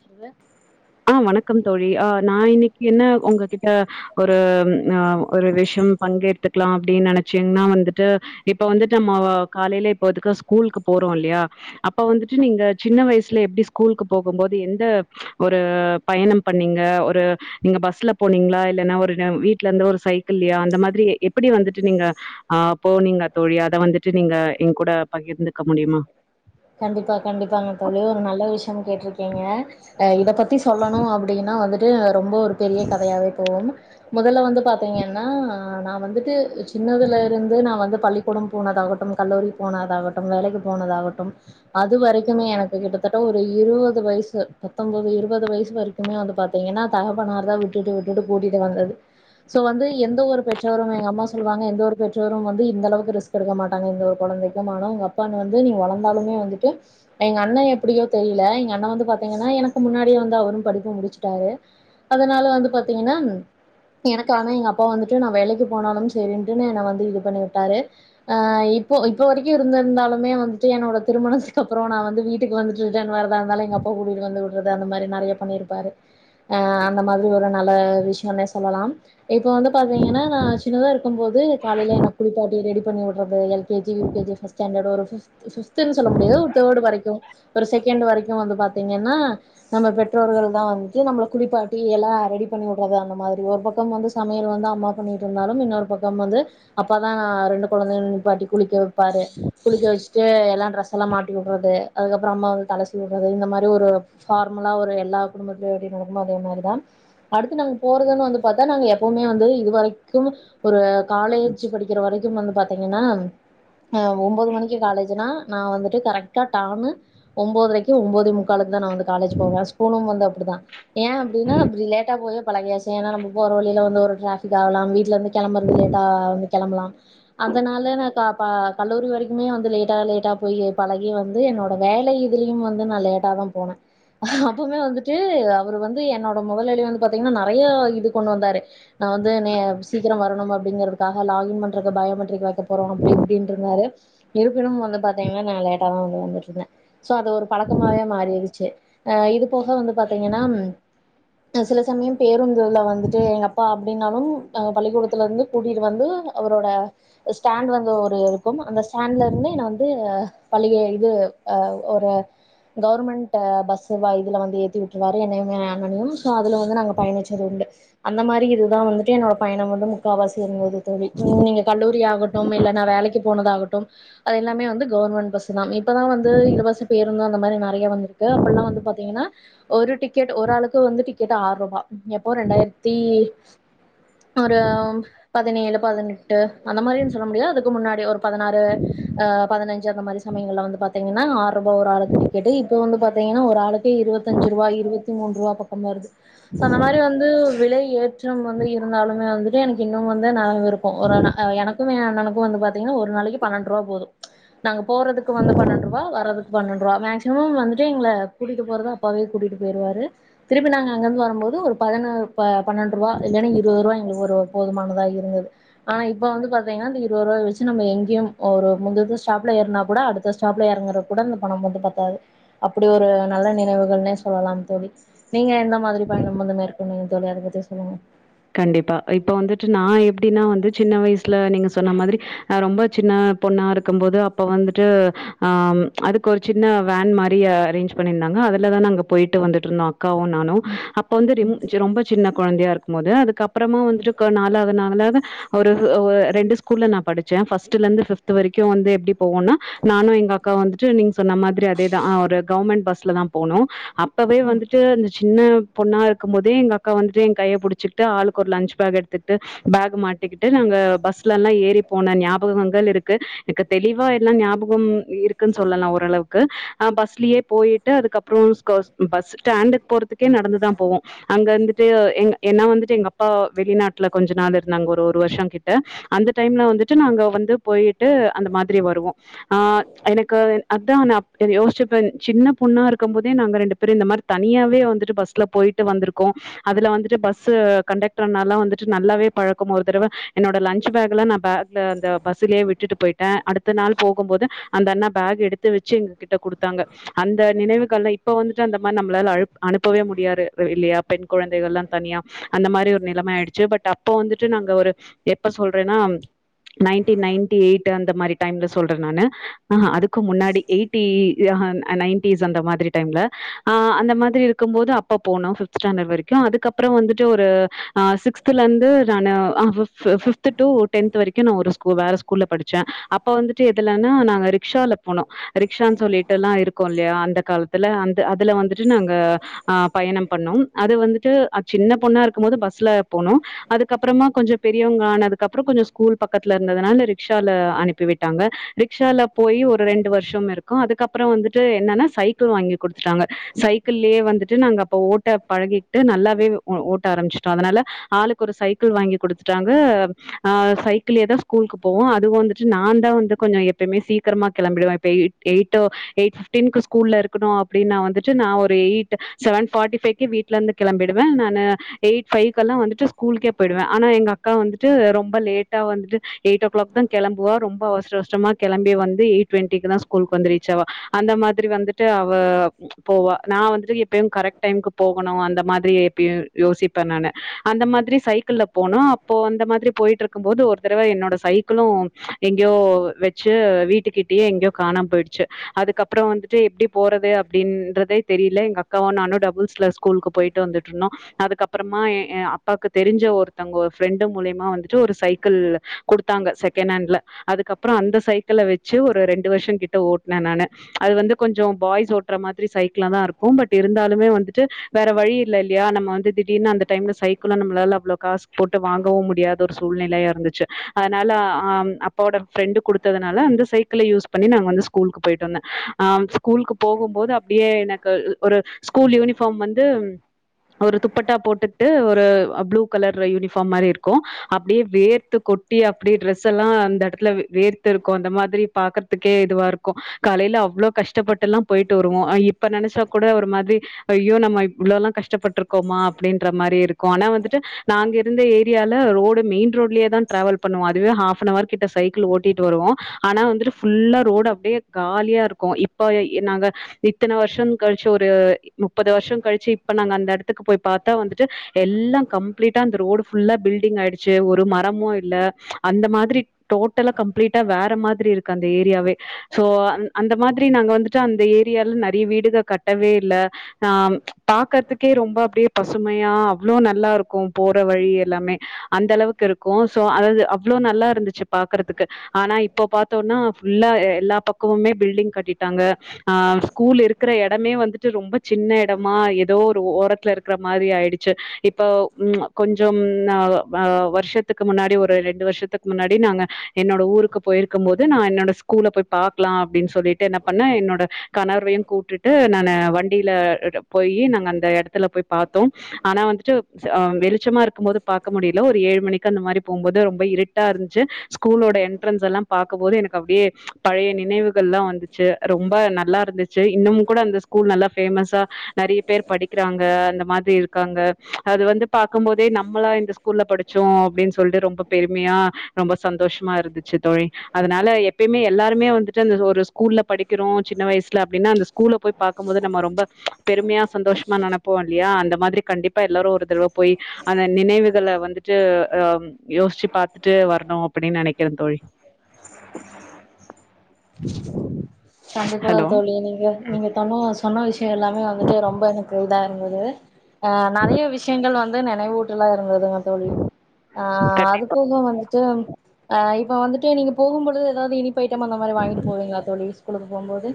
சொல்ல ஆ வணக்கம் கிட்ட ஒரு ஆஹ ஒரு விஷம் பங்கெத்துக்கலா அப்பிடினு நெனைச்சீங்கன்னா வந்துட்டு இப்ப வந்துட்டு நம்ம காலேலே இப்போதுக்கு ஸ்கூலுக்கு போறோ இல்லயா அப்ப வந்துட்டு நீங்க சின்ன வயசுல எப்பிடி ஸ்கூலுக்கு போகுபோது எந்த ஒரு பயணம் பண்ணீங்க ஒரு நீங்க பஸ்ல போனீங்களா இல்லன்னா ஒரு வீட்ல இருந்து ஒரு சைக்கிள்யா அந்த மாதிரி எப்படி வந்துட்டு நீங்க ஆஹ் போனீங்க தோழி அத வந்துட்டு நீங்க எங் கூட பகிர்ந்துக்க முடியுமா கண்டிப்பா கண்டிப்பாங்க தோழி ஒரு நல்ல விஷயம் கேட்டிருக்கீங்கஹ் இத பத்தி சொல்லணும் அப்படின்னா வந்துட்டு ரொம்ப ஒரு பெரிய கதையாவே போகும் முதல்ல வந்து பாத்தீங்கன்னா நான் வந்துட்டு சின்னதுல இருந்து நான் வந்து பள்ளி கூடம் போனதாகட்டும் கல்லூரி போனதாகட்டும் வேலைக்கு போனதாகட்டும் அது வரைக்குமே எனக்கு கிட்டத்தட்ட ஒரு இருபது வயசு பத்தொன்பது இருபது வயசு வரைக்குமே வந்து பாத்தீங்கன்னா தக பனார்தான் விட்டுட்டு விட்டுட்டு கூட்டிட்டு வந்தது சோ வந்து எந்த ஒரு பெற்றவரும் எங்க அம்மா சொல்லுவாங்க எந்த ஒரு பெற்றவரும் வந்து இந்த அளவுக்கு ரிஸ்க் எடுக்க மாட்டாங்க இந்த ஒரு கொழந்தைக்கும் ஆன அப்பா வந்து நீ வழந் எப்பாவந்தழும்மோ வந்துட்டு எங்க அண்ணன் எப்படியோ தெரியல எங்க அண்ண வந்து பாத்தீங்கன்னா எனக்கு முன்னாடிய வந்து அவரும் படிப்பு முடிச்சுட்டாரு அதனால வந்து பாத்தீங்கன்னா எனக்குன எங்க அப்பா வந்துட்டு நான் வேலைக்கு போனாலும் செரின்ட் என்ன வந்து இது பண்ணி விட்டாரு இப்போ இப்ப வரைக்கும் இருந்ருதாலுமே வந்து என்னோட திருமணத்துக்கு அப்புறம் ந விட்டுக்கு வந்துட்டு ரிட்டன் வரதா இருந்தாலும் எங்கள் அப்ப கூட்டட்டு வந்து விடுறது அந்த மாரி நெறைய பண்ணிருப்பாரு ஆஹ அந்த மாதிரி ஒரு நல்ல விஷயனே சொல்லலாம் இப்ப வந்து பாத்தீங்கன்னா நான் சின்னதா இருக்கும் போது காலையில என் குளிப்பாட்டி ரெடி பண்ணி விடுறது எல்கேஜி யூ கேஜி ஒரு பஸ்ட்ஸன்டடு ஒரு ப்ஃது பிப்துன்னு சொல்ல முடியாது ஒரு தேர்டு வரைக்கும் ஒரு செகண்ட் வரைக்கும் வந்து பாத்தீங்கன்னா நம்ம பெற்றோர்கள் தான் வந்துட்டு நம்மளை குளிப்பாட்டி எல்லாம் ரெடி பண்ணி விடுறது அந்த மாதிரி ஒரு பக்கம் வந்து சமையல் வந்து அம்மா பண்ணிட்டு இருந்தாலும் இன்னொரு பக்கம் வந்து அப்ப தான் ரெண்டு குழந்தையும் நிப்பாட்டி குளிக்க பாரு குளிக்க வச்சு எல்லாம் டரெஸ் எல்லாம் மாட்டி விடுறது அதுக்கப்புறம் அம் வந்து தலைசி விடுறது இந்த மாதிரி ஒருபர்முல்லா ஒரு எல்லா குடும்பத்திலையும் எப்படி நடக்கும் அதே மாரி தான் அடுத்து நாங்கபோறதோட வந்துடாக்க நாங்க எப்பவுமே வந்து இதுவரைக்கும் ஒரு காலேஜ் படிக்கிற வரைக் த்தும் வந்து பாத்தீங்கன்னா ஒன்பது மணிக்கு காலேஜ் பாத்திங்கனா நா வந்துட்டு டானு ஒன்போதரைக்கு ஒன்போதே முக்காலுக்கு தா காலேஜ் போவே ஸ்கூலும் வந்து அப்டிதா ஏ அப்டினா லேட்டா போகியே பழகியாச்சு ஏன் நம்ம போற வழியில ஒரு டரஃப் ஆகலாம் லேட்டா வந்து கெளம்பலா அதனால நம்ம கல்லூரி வரைக்குமே லேட்டா லேட்டா போய் பழக வந்து என்னோட வேலை இதுலயும் வந்து நான் லேட்டா தான் போனேன் அப்பமே வந்துட்டு அவர் வந்து என்னோட முதலதலிவந்து பத்தி ங்கன்னா நெறைய இது கொண்டு வந்தாரு நான் வந்து சீக்கிரம் வரணும் அப்படிங்கிறதுக்காக லாகிங் பண்ற பயோமெட்ரிக் வைக்க அப்புறோம் அப்படி இப்படின்று இருந்தாரு இருப் தானவே வந்துட்டு இருந்தேன் சோ அது ஒரு பழக்கமாவே மாறிடுருச்சு இது போக வந்து பாத்தீங்கன்னா சில சமயம் பேருந்து வந்துட்டு எங்க அப்பா அப்படின்னாலும் பள்ளிக்கூடத்துல இருந்து கூட்டிட்டு வந்து அவரோட ஸ்டண்ட் வந்து இருக்கும் அந்தஸ்டண்ல ந்து என்ன வந்து பழிக இது அஹ் ஒரு கவர்மெண்ட் பஸ்ஸு இதுல வந்து ஏத்தி விட்டுருவாரு என்னையுமே என்னமே அண்ணா னையும்மே சோ அதுல வந்து நாங்க பயணிச்சது உண்டு அந்த மாரி இதுதான் வந்துட்டு என்னோட பயணம் வந்து முக்கால்வாசி இருந்தது தோழி உம் நீங்க கல்லூரி ஆகட்டும் இல்லைன்னா வேலைக்கு போனதாகட்டும் அது எல்லாமோவந்து கவர்மெண்ட் பஸு தான் இப்பதான் வந்து இலவசி பேருந்து அந்த மாதிரி நெறைய வந்திருக்கு அப்படல்லாம் வந்து பாத்தீங்கன்னா ஒரு டிக்கெட் ஒரு ஆளுக்கு வந்து டிக்கெட் ஆறு ரூபாய் எப்போ ரெண்டாயிரத்தி ஒரு பதினேழு பதினெட்டு அந்த மாரு சொல்ல முடியாது அதுக்கு முன்னாடி ஒரு பதினாறு பதினஞ்ச அந்த மாதிரி சமயலங்கல்லா வந்துபத்துகன்னா பாத்தீங்கன்னா ஆறு வந்துஒரு ஆளத்துடிக்கடி இப்ப வந்து பாத்தீங்கன்னா ஒரு ஆளுக்கு இருபத்தஞ்சு ரூபா இருபத்தி மூன்ரூபா பக்கம் வருது அந்த மாதிரி வந்து விலை ஏற்றம் வந்து இருந்தாலுமே வந்துட்டு எனக்கு இன்ன அந்த ஞாபக ப்போம் ஒரு நல்ல எனக் மைய அண்ணனு வந்து பாத்தீங்கன்னா ஒரு நாளைக்கு பன்னெண்டு ரூவா போகுது நாங்க போறதுக்கு வந்து பன்னெண்டு ரூபா வர்றதுக்கு பன்னெண்டு ரூபா மேக்சிமம் வந்துட்டு எங்களை கூட்டிகிட்டு போறத அப்பாவே கூட்டிட்டு போயிடுவா திருப்பி நாங்க அங்கிருந்து வரும்போது ஒரு பதின பன்னெண்டு ரூபா இல்லன்னா இருபது ரூபாய் எங்களுக்கு ஒரு போதுமானதா இருந்தது ஆனா இப்ப வந்து பாத்தீங்கன்னா அந்த இருபது ரூபாய வச்சு நம்ம எங்கேயும் ஒரு முந் அ ஸ்டாப்ல ஏறனா கூட அடுத்த ஸ்டாப்ல இறங்குற கூட இந்த பணம் வந்து பத்தாது அப்படி ஒரு நல்ல நினைவுகள்னே சொல்லலாம் தோழி நீங்க எந்த மாதிரி பயணம் வந்து மேற்கண நீங்க தோழி அதை பத்தி சொல்லுங்க கண்டிப்பா இப்ப வந்துட்டு நான் எப்படின்னா வந்து சின்ன வயசுல நீங்க சொன்ன மாதிரிஹ் ரொம்ப சின்ன பொண்ணா இருக்கும் போது அப்ப வந்துட்டு ஆஹ் அதுக்கு ஒரு சின்ன வேன் மாதிரி அரேஞ்ச் பண்ணிருந்தாங்க அதுலதான நாங்க போயிட்டு வந்துட்டு இருந்தோம் அக்காவும் நானும் அப்ப வந்தும் ரொம்ப சின்ன கொழந்தையா இருக்கும் போது அது கப் அப்புறமா வந்துட்டுக்க நாலகநால வலாது அவரு ரெண்டு ஸ்கூல்ல நா படிச்சு ஃப்ட்லேர்ந்து ஃப்த்து வரைக்கும் வந்து எப்புடி போனுனா நானு எங்க அக்காவும் வந்துட்டு நீங்க சொன்ன மாதிரி அதேதா ஒரு கவமெட் பஸ்ல போனோம் அப்பவே வந்துட்டு அந்த சின்ன பொண்ணா இருக்கும் போதே எங்க அக்கா வந்துட்டு கையபுடிச்ச ச்சிட்டு ஆளுக்கு ஒரு லஞ் பேக் எடுத்துட்டு பேக் மாட்டிக்கிட்டு நாங்க பஸ்ல எல்லாம் ஏறி போன ஞாபகங்கள் இருக்கு எனக்கு தெளிவா எல்லாம் ஞாபகம் இருக்குன் சொல்லலாம் ஓரளவுக்குஹ் பஸ்லயே போயிட்டு அதுக்கப்புறம் பஸ்டாண்டு போறதுக்கே நடந்துதான் போவோம் அங்க வந்துட்டு எங் ஏனா வந்துட்டு எங்க அப்பா வெளிநாட்ல கொஞ்ச நாள் இருந்தாங்க ஒரு ஒரு வருஷம் கிட்ட அந்த டைம்ல வந்துட்டு நாங்க வந்து போயிட்டு அந்த மாதிரி வருவோம் ஆ எனக்கு அதான் நான் யோசிச்சப்ப சின்ன பொண்ணா இருக்கும் போதே நாங்க ரெண்டு பேரும் இந்த மாரி தனியாவே வந்துட்டு பஸ்ல போயிட்டு வந்திருக்கோம் அதுல வந்துட்டு பஸ் பஸ் கண்டக்டர்னாலாம் வந்துட்டு நல்லாவே பழக்கம் ஒரு தடவ என்னோட லஞச் பேக் எலாம் நான் பேக்ல அந்த பஸ்லேயே விட்டுட்டு போயிட்டேன் அடுத்த நாள் போகும் போது அந்த அண்ணா பேக் எடுத்து வச்சு எங்க கிட்ட கொடுத்தாங்க அந்த நினைவுகள்ல இப்போ வந்துட்டு அந்த மாரி நம்மளால அ அனுப்பவே முடியாது இல்லையா பெண் கொழந்தைகள்லாம் தனியா அந்த மாரி ஒரு நிலமை ஆயிடுச்சு பட் அப்போ வந்துட்டு நாங்க ஒரு எப்ப சொல்றேன்னா நைன்டின் நைன்டி ஏயிட் அந்த மாரி டைம்ல சொல்றேன் நானு அதுக்கு முன்னாடி எயிட்டிஸ் நைன்டிஸ் அந்த மாதிரி டைம்ல ஹா அந்த மாதிரி இருக்கும்போது அப்ப போனோம் ஃப்த் ஸ்டண்டர்ட் வரைக்கும் அதுக்கப்பறோம் வந்து டூரு ஹ சிக்துலருந்து ஹ நானு ஃப்த் டூ டென்ட்த் வரைக்கும் நான் ஒரு ஸ்கூல் வேற ஸ்கூல்ல படிச்சேன் அப்ப வந்துட்டு எதுலனா நாங்க ரிக்க்ஷால போனோ ரிக்க்ஷானு சொல்லிட்டுலாம் இருக்கும் இல்லியா அந்த காலத்து அதுல அ அதுல வந்துட்டு நாங்க அ பயணம் பண்ணோம் அது வந்துட்டு ஆ சின்ன பொண்ணா இருக்கும் போது பஸ்ல போனோம் அதுக்கப்புறமா கொஞ்சோம் பெரியவங்க ஆனதுக்குப்புறம் கொஞ்சம் ஸ்கூல் பக்கத்துல இருந்ததுனால ரிக்க்ஷால அனுப்பி விட்டாங்க ரிக்க்ஷால போய் ஒரு ரெண்டு வருஷம் இருக்கும் அதுக்கப்புறம் வந்துட்டு என்னன்னா சைக்கிள் வாங்கி குடுத்துட்டாங்க சைக்கிள்யே வந்துட்டு நாங்க அப்ப ஓட்ட பழகிட்டு நல்லாவே ஓட்ட ஆரம்பிச்சட்டோம் அதனால ஆளுக்கு ஒரு சைக்கிள் வாங்கி குடுத்துட்டாங்க ஆ அ சைக்கிளேயே தான் ஸ்கூலுக்கு போவோம் அது வந்துட்டு நான் தான் வந்து கொஞ்சம் எப்பயுமே சீக்கிரமா கிளம்பிடுவேன் இப்ப எய் எய் எயிட் பிப்டீக்கு ஸ்கூல்ல இருக்கணும் அப்டின்னா வந்துட்டு நான் ஒரு எயிட் செவன் ஃபார்ட்டி ஃபைவ்கே வீ்ட்ல இருந்து கெளம்பிடுவேன் ந நா எயிட் ஃபைவ்க்லா வந்துட்டு ஸ்கூலுக்கே போயிடுவே ஆனா எங்க அக்கா வந்துட்டு ரொம்ப லேட்டா வந்துட்டு எயிட் ஓ கிளாக் தான் கிளம்புவா ரொம்ப அவசரஅவசமா வந்துட்டு கிளம்பிவந்து எயிட் டுவென்டிக்குதா ஸ்கூல் வந்து ரீச்சாவா அந்த மாதிரி வந்துட்டு அவ போவா நான் எப்பவும் வந்துட்டு கரெக்ட் டைம் போகணும் அந்த மாதிரி ப்பியே யோசிப்பேன் நானு அந்த மாதிரி சைக்கிள் போனோம் அப்போ அந்த மாதிரி போயிட்டு இருக்கும் போது ஒரு தடவ என்னோட சைக்கிளும் எங்கேயோ வச்சு வீட்டுக்கிட்டயே எங்கேயோ காணாம போயிடுச்சு அதுக்கப்புறோம் வந்துட்டு எப்டி போறது அப்டின்றதே தெரியல எங்க அக்காவும் நானும் டபுள்ஸ்ல ஸ்கூலுக்கு போயிட்டு வந்துட்டு சொன்னோ அதுக்கப்புறமா அப்பாக்கு தெரிஞ்ச ஒருத்தங்க ஒருஃப்ரெண்ட் மூலியமா வந்துட்டு ஒரு சைக்கிள் கொடுத்தாங்க செகனன்ட்ல அதுக்கப்றோ அந்த சைக்கில வச்ச ஒரு ரெண்டு வருஷோ கிட்ட ஓட்னே நானு அது வந்து கொஞ்சோம் பாய்ஸ் ஓட்ற மாதிரி சைக்கிலா தான் இருக்கும் பட் இருந்தாலுமே வந்துட்டு வேற வழி இல்ல இல்லியா நம்ம வந்து திடீனு அந்த டைம்ல சைக்கிளும் நம்மளால அவ்ளோ காஸ் போட்டு வாங்கவும் முடியாத ஒரு சூழ்நிலையா இருந்துச்சு அதனால அப்பா ஒட ஃப்ரெண்டு கொடுத்ததுனால அந்த சை க்கில யூஸ் பண்ணி நாங்க வந்து ஸ்கூலுக்கு போயிட்டு வந்தேன் ஆ ஸ்கூலுக்கு போகும்போது அப்டியே எனக்கு ஒரு ஸ்கூல் யூனிபார்ம் வந்து ஒரு துப்பட்டா போட்டுட்டு ஒரு ப்ளூ கலர் யூனிஃபார்ம் மாரி இருக்கும் அப்டியே வேர்த்து கொட்டி அப்டி ட்ரெஸ் எல்லாம் அந்த இடத்துல வேர்த்து இருக்கும் அந்த மாதிரி பாக்கறதுக்கே இதுவா இருக்கும் காலையில அவ்ளோ கஷ்டப்பட்டுலாம் போயிட்டு வருவோம் இப்ப நினைச்சா கூட ஒரு மாதிரி ஐயோ நம்ம இவ்ளோ எல்லாம் கஷ்ட கஷ்டப்பட்ருக்கோமா அப்டின்ற மாரி இருக்கு இருக்கும் ஆனா வந்துட்டு நாங்க இருந்த ஏரியால ரோடு மெயின் ரோட்லயே தான் டிராவல் பண்ணுவோம் அதுவே ஹாப்னவர் கிட்ட சைக்கிள் ஓட்டிட்டு வருவோம் ஆனா வந்துட்டு ஃபுல்லா ரோடு அப்டியே காலியா இருக்கும் இப்ப நாங்க இத்தன வருஷம் கழிச்சு ஒரு முப்பது வருஷம் கழிச்சு இப்ப நாங்க அந்த எடத்துக்கு போய் பாத்தா வந்துட்டு எல்லாம் கம்ப்ளீட்டா அந்த ரோடு ஃபுல்லா பில்டிங் ஆயிடுச்சு ஒரு மரமும் இல்ல அந்த மாதிரி டோட்டலா கம்ப்ளீட்டா வேற மாதிரி இருக்கு அந்த ஏரியாவே சோ அந்த மாதிரி நாங்க வந்துட்டு அந்த ஏரியால நெறைய வீடுக கட்டவே இல்ல ஆ பாக்கறதுக்கே ரொம்ப அப்டியே பசுமையா அவ்ளோ நல்லா இருக்கும் போற வழி எல்லாமே அந்த அளவுக்கு இருக்கும் சோ அது அவ்ளோ நல்லா இருந்துச்சு பாக்குறதுக்கு ஆனா இப்போ பாத்தோனா ஃபுல்லா எல்லா பக்கமுமே பில்டிங் கட்டிட்டாங்க ஆ ஸ்கூல் இருக்கிற எடமே வந்துட்டு ரொம்ப சின்ன எடம் மா ஏதோ ஒரு ஓரத்துல இருக்கிற மாரி ஆயிடுச்சு இப்ப கொஞ்சோம் வருஷத்து இதுக்கு முன்னாடி ஒரு ரெண்டு வருஷத்துக்கு முன்னாடி நாங்க என்னோட ஊருக்கு போயிருக்கும் போது நான் என்னோட ஸ்கூல்ல போய் பாக்கலாம் அப்டின்னு சொல்லிட்டு என்ன பண்ண என்னோட கணர்வையும் கூட்டுட்டு நான் வண்டியில போயி நாங்க அந்த எடத்துல போய் பாத்தோம் ஆனா வந்துட்டு் வெளிச்சமா இருக்கும் போது பாக்க முடியல ஒரு ஏழு மணிக்கு அந்த மாரி போம்போது ரொம்ப இருட்டா இருந்துச்சு ஸ்கூலோட என்ட்ரன்ஸ் எல்லாம் பாக்கும்போது எனக்கு அப்டியே பழைய நினைவுகள் எல்லாம் வந்துச்சு ரொம்ப நல்லா இருந்துச்சு இன்னமும் கூட அந்த ஸ்கூல் நல்லா ஃபேமஸா நெறைய பேர் படிக்கிறாங்க அந்த மாதிரி இருக்காங்க அது வந்து பாக்கும் போதே நம்மளா இந்த ஸ்கூல்ல படிச்சோம் அப்டின்னு சொல்லிட்டு ரொம்ப பெருமையா ரொம்ப சந்தோஷமா இருந்துச்சு தொழி அதனால எப்பயுமே எல்லாருமே வந்துட்டு அந்த ஒரு ஸ்கூல்ல படிக்கிறோம் சின்ன வயசுல அப்டின்னா அந்த ஸ்கூல்ல போய் பாக்கும்போது நம்ம ரொம்ப பெருமையா சந்தோஷமா நெனப்போம் இல்லியா அந்த மாதிரி கண்டிப்பா எல்லாரும் ஒரு தடவ போய் அந்த நினைவுகள வந்துட்டு அ யோசிச்சு பாத்துட்டு வரணும் அப்டின்னு நெனைக்கிறேன் தோழி கண்டிப்பா ஹலோ தோழி நீங்க நீங்க சொன்ன சொன்ன விஷயம் எல்லாமே வந்துட்டு ரொம்ப எனக்கு இதா இருந்தது ஹ நறைய விஷயங்கள் வந்து இன்னு நினைவூட்டுலா சந்தோசங்க தோழி ஆ [unintelligible] வந்துட்டுப் ஆ இப்ப வந்துட்டு நீங்க போகும்பொழுது ஏதாவது இனிப் பேக்ரி ஐட்டம் அந்த மாரி வாங்கிட்டு போவிங்கா தோழி ஸ்கூலுக்கு போம்போது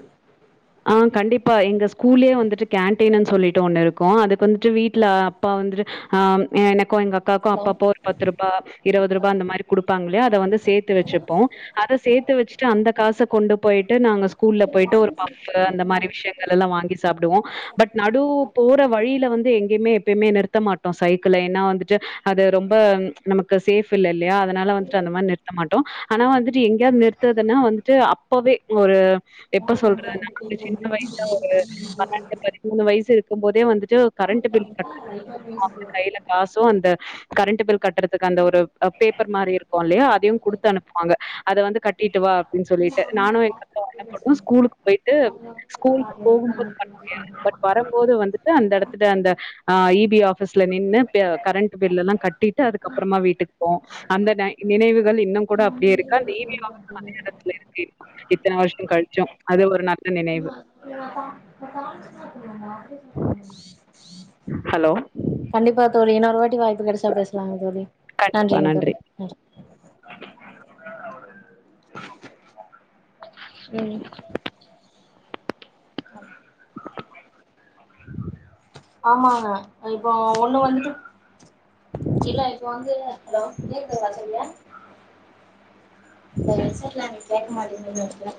ஆ கண்டிப்பா எங்க ஸ்கூல்லயே வந்துட்டு கேன்டீன்னு சொல்லிட்டு ஒண்ணு இருக்கும் அதுக்கு வந்துட்டு வீட்ல அப்பா வந்துட்டு அ எனக்கும் எங்க அ ஹலோ அப்பப்போ ஒரு பத்து ரூபா இருவது ரூபா அந்த மாரி குடுப்பாங்கயில்லியா அத வந்து சேத்து வெச்சிப்போ அத சேத்து வெச்சுட்டு அந்த காச கொண்டு போயிட்டு நாம ஸ்கூல் ஸ்கூல்ல போயிட்டு ஒரு பாக்குற அந்த மாரி விஷியங்களெல்லா வாங்கி சாப்புடுவோ பட் நடு போற வழியில வந்து எங்கயுமே எப்பயுமே நிறுத்த மாட்டோ சைக்கிள்ல ஏன்னா வந்துட்டு அது ரொம்ப நமக்கு சேஃப் இல்ல இல்லியா அதனால வந்துட்டு அந்த மாரி நிறுத்த மாட்டோ ஆனா வந்துட் எங்கயாவது நிறுத்துறதுன்னா வந்துட்டு அப்பவே ஒரு எப்ப சொல்றது நாங்க சின்ன வயசுல ஒரு பதினெட்டு பதிமூணு வயசு இருக்குமோதே வந்துட்டு கரண்ட் பில் கட்ட அந்த கையில காசோ அந்த கரண்ட் பில் கட்டுறதுக்கு அந்த ஒரு பேப்பர் மாரி இருக்கோயில்லையா அதையோ குடுத்து அனுப்புவாங்க அத வந்து கட்டிட்டுவா அப்டின்னு சொல்லிட்டு நானோ எங்க பக்க [unintelligible] ஸ்கூலுக்கு போயிட்டு ஸ்கூலுக்கு போகும்போது வர முடியாது பட் வரம்போது வந்துட்டு அந்த எடத்துல அந்த ஆஹ் இ பி ஆபிஸ்ல நின்னு கரண்ட் பில்லா கட்டிட்டு அதுக்கப்புறமா வீட்டுக்கு போவோ அந்த நை நினைவு கள் இன்னோ கூட அப்டியேயிருக்கு அந்த இ பி ஆபீஸ்ஸு மத்திய எடத்துலயிருக்கு இத்தன வருஷோ கழிச்சு [unintelligible] ஹலோ கண்டிப்பா தோழி இன்னொருவாட்டி வா வெரசா பேசலாங்க தோழி கண்டிப்பா நன்றிங்க நன்றி தோழி நன்றி உம் [unintelligible] ஆமாம்மா இப்ப ஒண்ணு வந்துட்டு இல்ல இப்ப வந்து ஹலோ கேக்குதாடா இந்த ஹெட்செட்ல எனக்கு கேக்க மாட் இந்த நேரத்துல